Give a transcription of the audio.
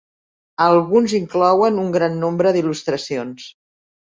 Alguns inclouen un gran nombre d'il·lustracions.